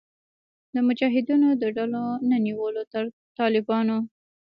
د مجاهدینو د ډلو نه نیولې تر طالبانو